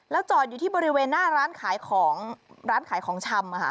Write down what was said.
จอดอยู่ที่บริเวณหน้าร้านขายของร้านขายของชำ